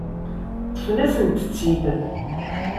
Ṭṭfen-asent-tt-id.